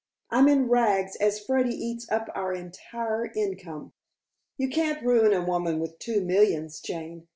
I'm in rags, as Freddy eats up our entire income." "You can't ruin a woman with two millions, Jane.